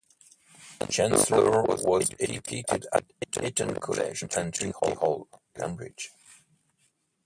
Chancellor was educated at Eton College and Trinity Hall, Cambridge.